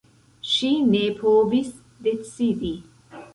Ŝi ne povis decidi.